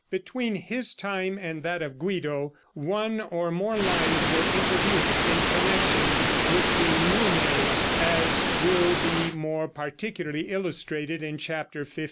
Between his time and that of Guido, one or more lines were introduced in connection with the neumæ, as will be more particularly illustrated in chapter XV.